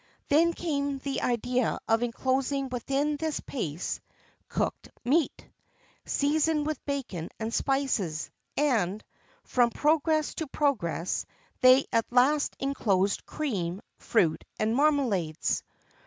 Then came the idea of inclosing within this paste cooked meat, seasoned with bacon and spices; and, from progress to progress, they at last inclosed cream, fruit, and marmalades.